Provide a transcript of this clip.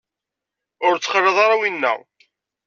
Ur ttxalaḍ ara winna.